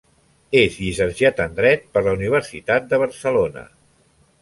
És llicenciat en dret per la Universitat de Barcelona.